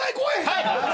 はい！